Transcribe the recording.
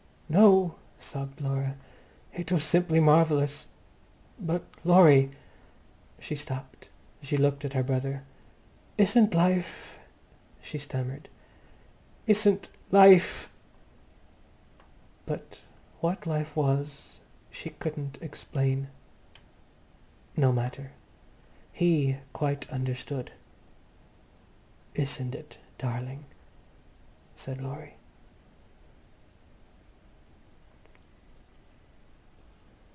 "No," sobbed Laura. "It was simply marvellous. But Laurie—" She stopped, she looked at her brother. "Isn't life," she stammered, "isn't life—" But what life was she couldn't explain. No matter. He quite understood. "Isn't it, darling?" said Laurie.